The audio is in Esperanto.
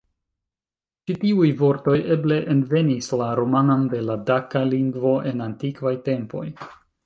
Ĉi tiuj vortoj eble envenis la rumanan de la daka lingvo en antikvaj tempoj.